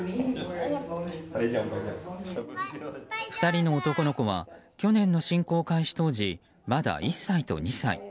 ２人の男の子は去年の侵攻開始当時まだ１歳と２歳。